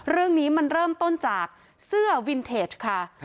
เรื่องนี้มันเริ่มต้นจากเสื้อวินเทจค่ะ